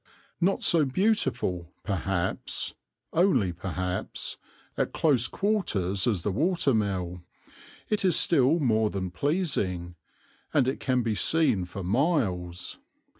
Not so beautiful, perhaps, only perhaps, at close quarters, as the watermill, it is still more than pleasing, and it can be seen for miles.